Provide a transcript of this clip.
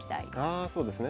あそうですね。